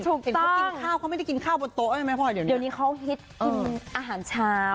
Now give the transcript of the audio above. ถูกต้องเห็นเขากินข้าวเขาไม่ได้กินข้าวบนโต๊ะได้ไหมพอเดี๋ยวนี้เดี๋ยวนี้เขาฮิตกินอาหารเช้า